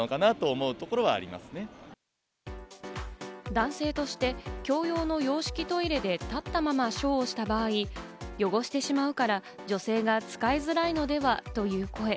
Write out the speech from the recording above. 男性として、共用の洋式トイレで立ったまま小をした場合、汚してしまうから、女性が使いづらいのではという声。